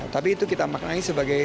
tapi itu kita maknai sebagai